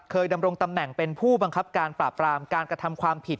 ดำรงตำแหน่งเป็นผู้บังคับการปราบรามการกระทำความผิด